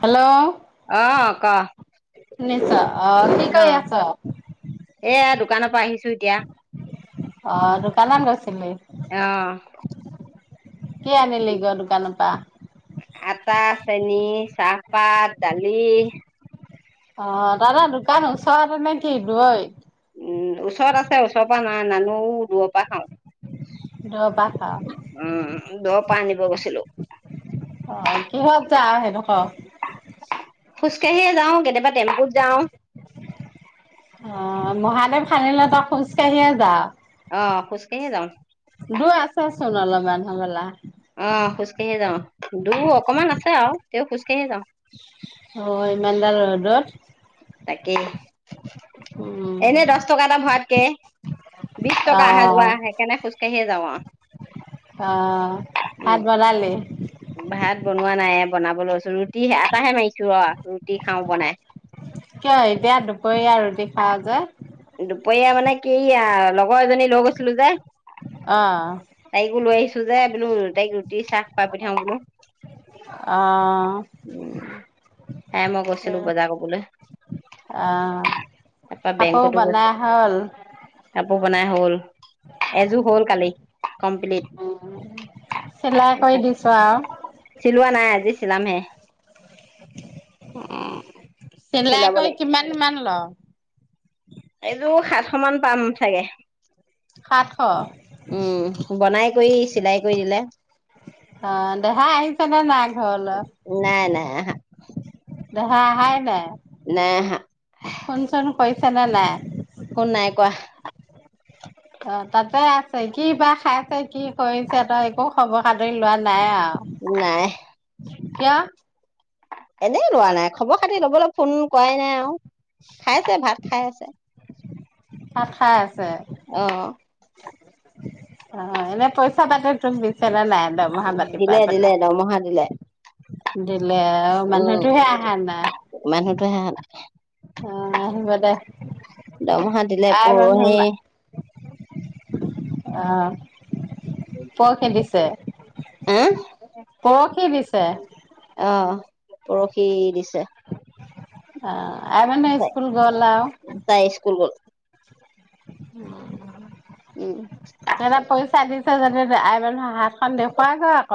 Hello অ আকা নিচা আহ এয়া দোকানৰ পৰা আহিছো এতিয়া অ' দোকানত গৈছিলি? অ' কি আনিলি গৈ দোকানৰ পৰা? আটা, চেনী, চাহপাত, দালি। অ চহৰৰ দোকান ওচৰতে নে কি দূৰত উম ওচৰত আছে ওচৰৰ পৰা নাই অনা [unintelligible] দূৰৰ পৰা খাওঁ ৰবাহা দহ পাহ আনিব গৈছিলো অ', কিহত যাই সেইদখৰ? খোজকাঢ়িয়ে যাওঁ কেতিয়াবা টেম্পুত যাওঁ অ মহাদেৱ খানিল তই খোজ কাঢ়িয়ে যাও অ খোজ কাঢ়িয়ে যাওঁ দূৰ আছচোন অলপমান হ'বলা অ' খোজ কাঢ়ি যাওঁ দুৰ অকমান আছে আৰু তেওঁ খোজকাাঢ়িয়ে যাওঁ হয় ইমানডাল ৰডত তাকেই উম। এনেই দহ টকা এটা খোৱাতকে বিশ টকা অহা যোৱা অ' আহে সেইকাৰণে খোজকাঢ়িয়ে যাওঁ অ অ' ভাত উম বনালি? ভাত বনোৱা নাই বনাবলৈছো ৰুটি, আটাহে মাৰিছো ৰ ৰুটি খাও বনাই কিয় এতিয়া দুপৰীয়া ৰুটি খাৱঁ যে দুপৰীয়া মানে কি আৰ‌ লগৰ এজনী লৈ গৈছিলো যে অহ তো যে বোলো ৰুদ্ৰাক্ষ পিঠা চাহ খুৱায় পঠিয়াও বুলো অ' উ তাই মই গৈছিলো বজাৰ কবলৈ অ' তাৰপা বেংক কাপোৰ বনাই হল বনাই হ'ল। এযোৰ হ'ল কালি কমপ্লিট। চিলাই কৰি দিছো আৰু চিলোৱা নাই, আজি চিলামহে। উম্‌- চিলাই চিলাব কৰি লাগিব কিমান মান লৱ? এযোৰ সাতশ মান পাম চাগে! সাতশ। উম বনাই কৰি চিলাই কৰি দিলে অ'- দেহা আহিছেনেে নাই ঘৰত? নাই নাই আহা। দেহা আহায়ে নাই? নাই আহা। হৈছে নে নাই? ফোন নাই কআ। অ তাতে কি বা খাইছে, কি কৰিছে তই একো খবৰ খাতি লোৱা নাই আৱ? নাই। কিয়? এনেই লোৱা নাই, খবৰ খাতি লবলৈ ফোন কৰাই নাই আৰু। খাইছে ভাত খাই আছে। ভাত খাই আছে। অ'- অ'- এনে পইচা পাতি তোক দিছ দিলে দিলে দৰমহা দিলে। দেত [unintelligible] মানুহটোহে আহা নাই। টোহে আহা নাই। অ' আহিব দে। দৰমহা দিলে আই মানুহ পৰহি মা আহ'- পৰসি দিছে। আহ পৰসি দিছে। পৰসি দিছে। আ-' আই মানুহ স্কুল গ'ল আউ! তাই স্কুল গ'ল হম্‌- উম। তহঁতে পইচা দিছে যদি আই মানুহ হাতখন দেখুৱাগৈ আক।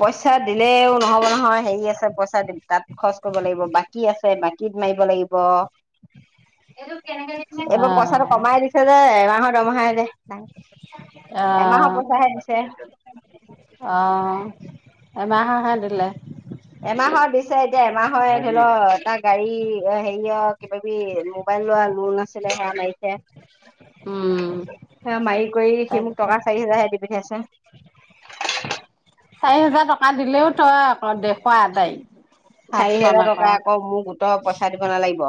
পইচা দিলেও নহব নহয়, হেৰি আছে পইচা দিম। তাত খৰচ কৰিব লাগিব। বাকী আছে বাকীত মাৰিব লাগিব। কেনেকে অ এদমে পইচাটো কমাই দিছে যে, এমাহৰ ৰমহাই ৰে অ' দিছে অ' এমাহৰ হে দিলে। এমাহৰ দিছে, এতিয়া এমাহৰ ধৰি ল এটা গাড়ী হেৰিয়ক কিবা, কিবি মোবাইল লোৱা লোন আছে। এ ফালে হেয়া মাইছে, উম হেয়া মাৰি কৰি সি মোক তাৰপিছত টকা চাৰি হোজাৰহে দি পঠিয়াইছে চাৰি হেজাৰ টকা দিলেও তই আক দে চাৰি হোজাৰ টকা আকৌ মোৰ গোটৰ পইচা দিব নালাগিব।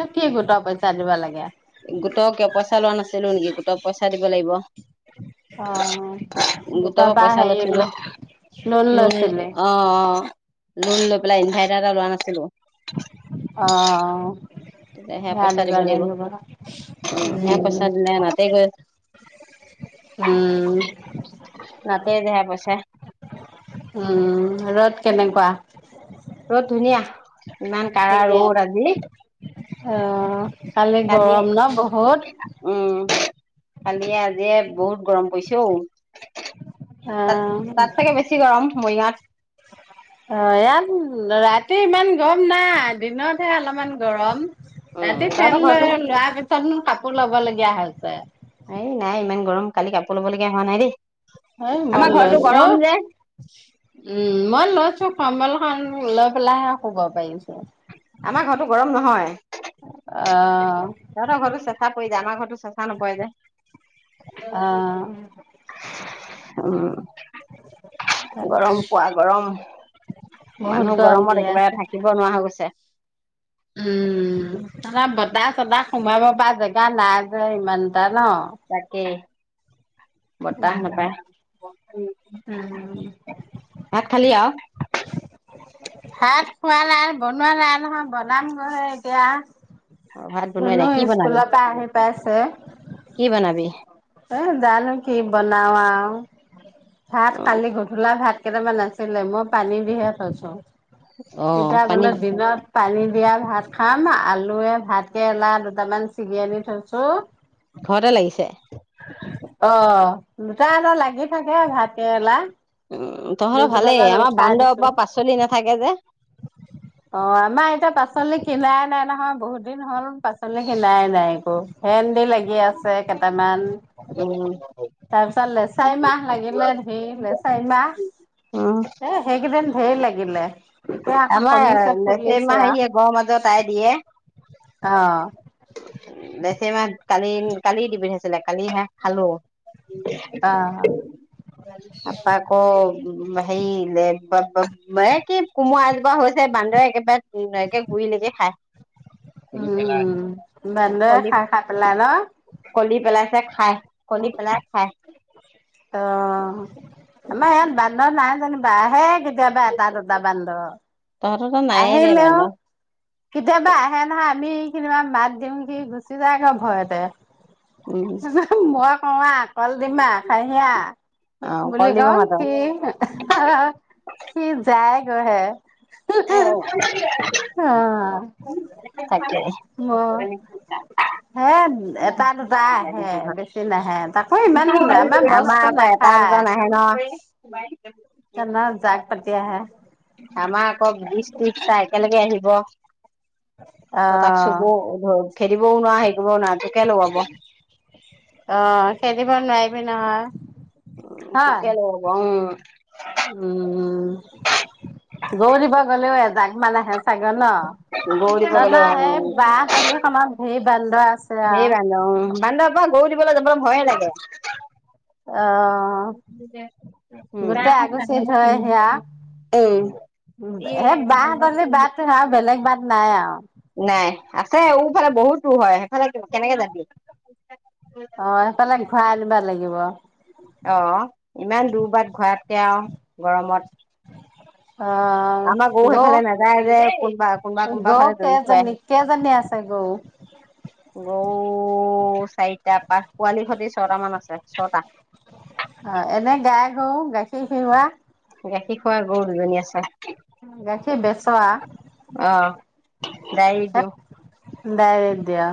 তই কি গোটৰ পইচা দিব লাগে? গোটক কিয় পইচা লোৱা নাছিলো নেকি, গোটক পইচা দিব লাগিব। অ গোট গোটৰ পৰা পা পইচা হেই ল লৈছিলো লোন লৈছিলি লোণ লৈ পেলাই ইনভাৰ্টাৰ এটা লোৱা নাছিলো অ হেয়া পইচা দিব লাগিব অ। ' হেয়া উম পইচা দিলে নাতে গৈ, উ উ নাতে যে হেয়া পইচায়। উ ৰ'দ কেনেকুৱা হয়। ৰ'দ ধুনীয়া ইমান কাৰা সেইয়া ৰ'দ আজি অ কালি গৰম ন বহুত কালি য়ে আজি য়ে বহুত গৰম পৰিছে অ তাত অ' তাত চাগে বেছি গৰম মৰিগাঁৱত অ ইয়াত ৰাত ৰাতি ইমান গৰম নাই দিনতহে অলপমান গৰম উম ৰাতি ফেন তহঁতৰ লৈ ঘৰতো লোৱা পিছতনো কাপোৰ ল'ব লগীয়া হৈছে এই নাই ইমান গৰম কালি কাপোৰ ল'ব লগগীয়া হোৱা নাই দেই হে মই আমাৰ ঘৰতো লৈছোঁ, গৰম যে উম, মই লৈছোঁ কম্বল খন লৈ পেলাইহে শুব পাৰিছো। আমাৰ ঘতো গৰম নহয়, অ সহঁতৰ ঘৰতো চেচা পৰি যায় আমাৰ ঘৰততো চেচা নপৰে যে অ উহ গৰম, পোৱা গৰম, বহুত মানুহ গৰম দি গৰমত একেবাৰে থাকিব নোৱাৰা হৈ গৈছে। উহ তহঁতৰ বতাহ চতাহ সোমাব পৰা জেগা নাই যে ইমান তাত তাকেই। বতাহ নাপায় উম উম ভাত খালি আৰু। [unintelligible] ভাত খোৱানাই বনোৱা নাই নহয় বনাম গহে এতিয়া। অ ভাত বনোৱাই ধুনো নাই কি বনাবি স্কুলৰ পৰা আহি পাইছে। কি বনাবি? এ জানো কি বনাও আও। ভাত কালি গধূলা ভাত কেইটামান আছে বোলে মই পানী দিহে থৈছোঁ, অ কিবা পানী বোলে দিনত পানী দিয়া ভাত খাম, আলুৱে ভাত কেৰেলা দুটামান চিগি আনি থৈছো ঘৰতে লাগিছে? অ', দুটা এটা লাগি থাকে। এ ভাতকেৰেলা। উম তহঁতৰ দুজোপা ভালেই মান আমাৰ উঠাই বান্দৰৰ দিছো, পৰা পাচলি নাথাকে যে। অ', আমাৰ এতিয়া পাচলি কিনাই নাই নহয় বহুত দিন হ'ল পাচলি কিনাই নাই একো ভেন্দি লাগ এ আছে কেইটামান উম। তাৰ পিছত লেচাই মাহ লাগিলে ধেই লেচাই মাহ, উম এ সেইকেইদিন ধেই লাগিলে এতিয়া আকৌ আমাৰ কমিছে লেচেৰি ফুলিছে মাহ আও আহিয়ে গৰ মাজত আই দিয়ে, অ লেচেৰি মাহ কালি কালি দি পঠাইছিলে কালি হে খালো। অ তা পা আকৌ হেৰি লেকবোৰত ব ক বাইচি কোমোৰা এজোপা হৈছে বান্দৰে একেবাই গুৰিলৈকে খায় উম', বান্দৰে খাই খাই পেলাই ন। এ খায় কলি পেলাই খায়। অ', আমাৰ ইয়াত বান্দৰ নাই কেতিয়াবা আহে কেতিয়াবা এটা দুটা বান্দৰ তহঁতৰ ত নায়ে দে আহিলেও বান্দৰ কেতিয়াবা আহে নহাই আমি মাত দিওঁ সি গুচি যায় আকৌ ভয়তে। উম হু হু হু মই অ আ কল ডিম আহ খাহি আহ অ বুলি কলডিব কওঁ মাতৰ সি হা হা হা সি যায় হে এই, [unintelligible] অহ হে এটা দুটা আহে বেছি নাহে তাত আমাৰ আকৌ এটা দুটা নাহে নহয়। [inaudible] আমাৰ জাক পাতি আহে। বিছটা একেলগে আহিব ত তাক আহ চুব খেদিবও নোৱা [unintelligible] সেইবাৰ নাইলি নহয় হয় তাকে ল'ব উম উম গৰু দিবলৈ গলেও এজাক মান ছাগল ন গৌৰীব তাৰ গলে উম নাম হেই বাস সেই বান্দৰ উম বান্দৰ পৰা গৰু দিবলৈ যাব ভয়ে লাগে। অ' গোটেই আগু চিত হয় সেয়া সেই বাহঁতলে বাট সেয়া বেলেগ বাট উম নাই আৰু নাই আহ সেইফালে বহুত দূৰ‌ হয় সেইফালে কেনেকে যাবি অ সেইফালে ঘূৰাই আনিব লাগিব অ', ইমান দূৰ বাট ঘূৰাতকে আৰু গৰমত অ আমাৰ গৰু গৌ সেইফালে নাযায় যে, কোনবা, কোনবা কোনবা গৌ ফালে দৌৰি ফুৰে। কেইজনী কেইজনী আছে গৰু ও চাইটাত পোৱালি সতি ছয়টা মান আছে ছয়টা অ, এনে গাই গৰু, গাখীৰ খিওৱা? গাখীৰ খোৱা গৰু দুজনী আছে। গাখীৰ বেচ আও? অ [unintelligible] ডায়েৰী দিওঁ দিয়া,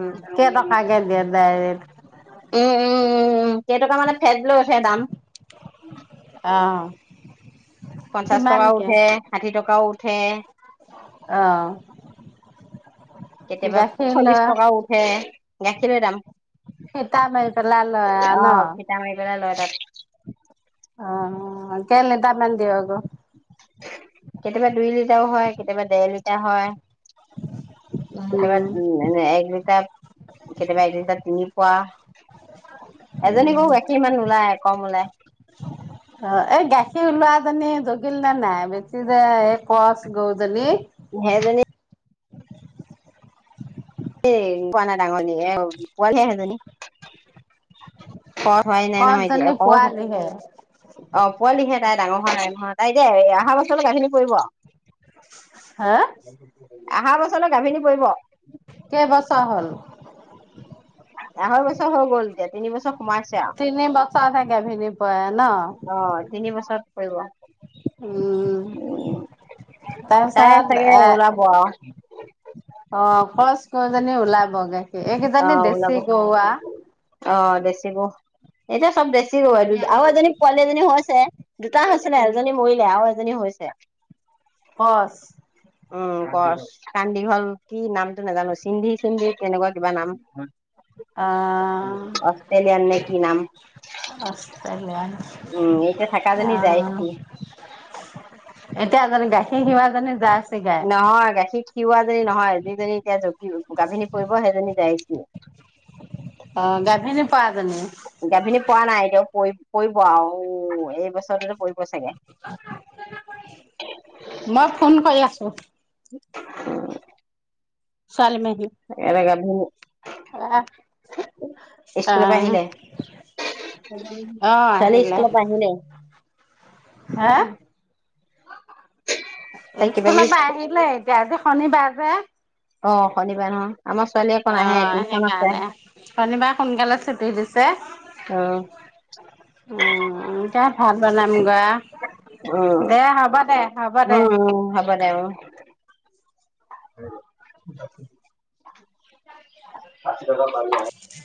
উম কেইটকাকে দিয়ে ডায়েৰীত? উম উম উম উম কেইটকা মানে ফেট হে দাম [inaudible] পঞ্চাশ টকাও কিমানকে উঠে, ষাঠি টক অ' উঠে আহ কেতিয়াবা গাখীৰ ল চল্লিশ টকাও উঠে গাখীৰৰ দাম ফিটা মাৰি পেলাই লৈ আ অ ন ফিটা মাৰি [unintelligible] কেই লিটাৰ মান দিও আকৌ কেতিয়াবা দুই লিটাৰও হয় কেতিয়াবা দেৰ লিটাৰ হয় কেতিয়াবা এ দুই কাপ কেতিয়াবা এক লিটাৰ তিনি পোৱা এজনী উম বাৰু গাখীৰ ইমান নলাই কম ওলাই অ এ গাখীৰ কিলোৱাজানে জনী যোগিল না নাই বেছি পিছে যে এই কোৱাস গৰু জনী। সেইজনী এ পোৱাই নাই ডাঙৰ এয়া পোৱালি সেই জনী খোৱা হোৱাই নাই নহয় এতিয়া, কচজনী পোৱালিহে অ পোৱালিহে। তাই ডাঙৰ হোৱা নাই নহয়, তাই যে অহা বছৰ গাখিৰ খিনি পৰিব [inaudible] হা অহা বছৰলৈ গাভিনী পৰিব কেই বছাৰ হ'ল আঢ়ৈ বছৰ হৈ গ'ল এতিয়া তিনি বছৰ সোমাইছে তিনি বছৰতহে গাভিনী পৰে ন আৰু কৰিবৱ উম তাই তাৰপিছত চাগে ওলাব আৰু আহ অ কপচ গজনী ওলাবগে কি অ এইকেইজনানী ওলাব দেশী গৰুৱা অ বেছি এতিয়া চব বেছি গৰু, আৰু এজনী পোৱালি এজনী হৈছে। দুটা হৈছে নে এজনী মৰিলে! আৰু এজনী হৈছে। কঁচ উম কছ কাণ দিঘল কি নাম নাজানো চিন দি চিন দি তেনেকুৱা কিবা নাম আহ অষ্ট্ৰেলিয়ান নে কি ৰাস্ত নাম বেয়া, অ', উম থাকাজনী এতিয়া জাৰ্চি গাখীৰ খিৰোৱা [inaudible] নহয় গাখীৰ খিৰোৱা জনী নহয়, যিজনী এতিয়া কি, গাভিনী পৰিব সেইজনী যাইছিলে অ গাভিনী পৰা জনী গাভিনী পৰা নাই এতিয়া পৰি পৰিব আৰু এই বছৰটোতো পৰি মই ফোন কৰি আছোঁ। উম চালে নিকি হ'ব স্কুল পা আহ আহিলে, আহ ছোৱালী আহিলে স্কুলৰ পা আহিলে। হা উম তাই কিবা কিবি স্কুলৰ পৰা আহিলে এতিয়া, আজি শনিবাৰ যে অ' শনিবাৰে ন? অঁ সেইকাৰণে, শনিবাৰে সোনকালে ছুটি দিছে। উম উম এয়া ভাত বনাম গৈ দে উম হব দে হব দে [unintelligible]